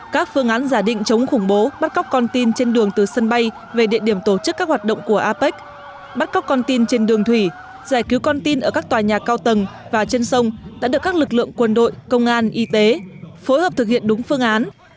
các phương án giả định chống khủng bố bắt cóc con tin trên đường từ sân bay về địa điểm tổ chức các hoạt động của apec bắt cóc con tin trên đường thủy giải cứu con tin ở các tòa nhà cao tầng và trên sông đã được các lực lượng quân đội công an y tế phối hợp thực hiện đúng phương án